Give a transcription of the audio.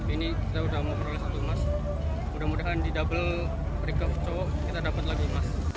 ini kita sudah memperoleh satu emas mudah mudahan di double berikut cowok kita dapat lagi emas